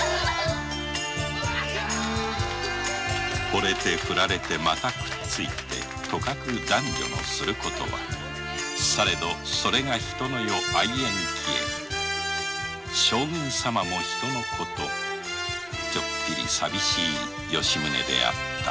ほれてふられてまたくっついてとかく男女のする事はされどそれが人の世合い縁奇縁「将軍様も人の子」とチョッピリ寂しい吉宗であった